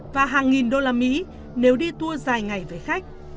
và hàng nghìn usd nếu đi tour dài ngày với khách